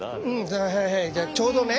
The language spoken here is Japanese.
はいはいじゃあちょうどね。